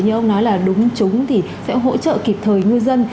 như ông nói là đúng trúng thì sẽ hỗ trợ kịp thời ngư dân